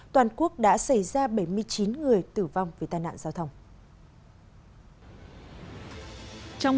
toàn quốc đã xảy ra bảy mươi chín người tử vong vì tai nạn giao thông